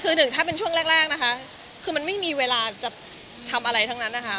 คือหนึ่งถ้าเป็นช่วงแรกนะคะคือมันไม่มีเวลาจะทำอะไรทั้งนั้นนะคะ